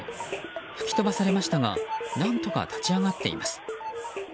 吹き飛ばされましたが何とか立ち上がっています。